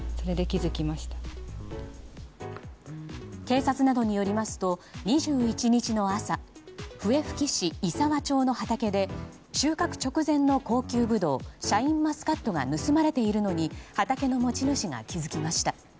警察などによりますと２１日の朝笛吹市石和町の畑で収穫直前の高級ブドウシャインマスカットが盗まれているのに畑の持ち主が気付きました。